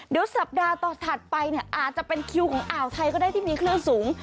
เดี๋ยวสัปดาห์ต่อถัดไปเนี่ยอาจจะเป็นคิวของอ่าวไทยก็ได้ที่มีคลื่นสูง